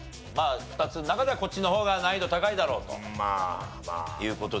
２つの中ではこっちの方が難易度高いだろうという事ですね。